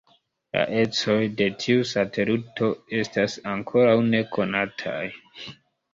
La ecoj de tiu satelito estas ankoraŭ nekonataj.